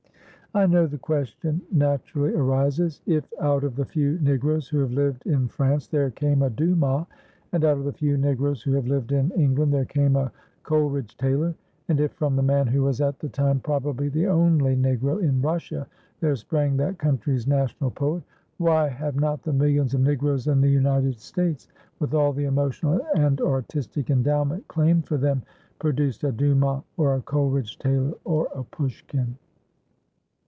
I know the question naturally arises: If out of the few Negroes who have lived in France there came a Dumas; and out of the few Negroes who have lived in England there came a Coleridge Taylor; and if from the man who was at the time, probably, the only Negro in Russia there sprang that country's national poet, why have not the millions of Negroes in the United States with all the emotional and artistic endowment claimed for them produced a Dumas, or a Coleridge Taylor, or a Pushkin?